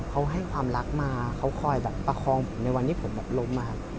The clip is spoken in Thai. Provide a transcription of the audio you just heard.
เขาให้ความรักมาเขาคอยประคองผมในวันที่ผมล้มมา